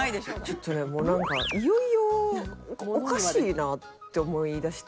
ちょっとねもうなんかいよいよおかしいなって思いだして。